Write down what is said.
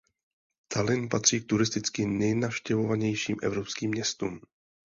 Tallinn patří k turisticky nejnavštěvovanějším evropským městům.